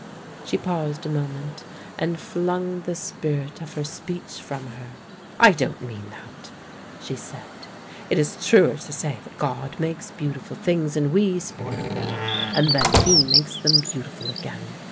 She paused a moment, and flung the spirit of her speech from her. "I don't mean that," she said. "It is truer to say that God makes beautiful things, and we spoil them. And then He makes them beautiful again.